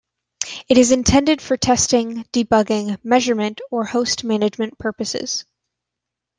It is intended for testing, debugging, measurement, or host management purposes.